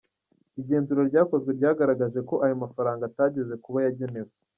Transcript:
Igenzura ryakozwe ryagaragaje ko ayo mafaranga atageze ku bo yagenewe.